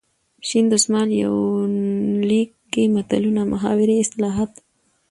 شین دسمال یونلیک کې متلونه ،محاورې، اصطلاحات .